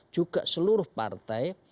juga seluruh partai